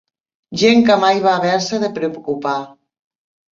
Gent que mai va haver-se de preocupar.